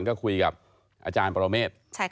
ก็คุยกับอาจารย์ประเราเมศ